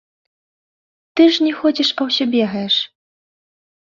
Ты ж не ходзіш, а ўсё бегаеш.